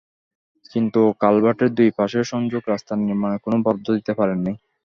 কিন্তু কালভার্টের দুই পাশের সংযোগ রাস্তা নির্মাণের কোনো বরাদ্দ দিতে পারেননি।